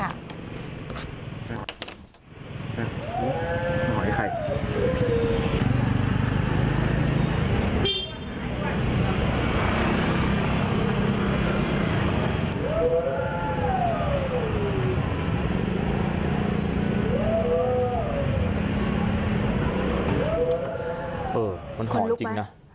เออมันของจริงนะ